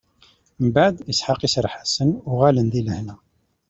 Mbeɛd, Isḥaq iserreḥ-asen, uɣalen di lehna.